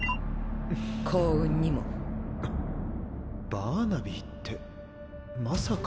バーナビーってまさか？